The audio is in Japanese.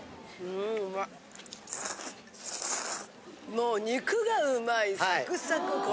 もう肉がうまいサクサク衣。